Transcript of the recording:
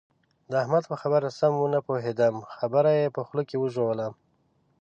د احمد په خبره سم و نه پوهېدم؛ خبره يې په خوله کې وژوله.